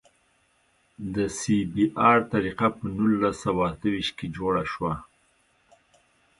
د سی بي ار طریقه په نولس سوه اته ویشت کې جوړه شوه